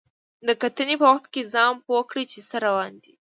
د کتنې په وخت کې ځان پوه کړئ چې څه روان دي.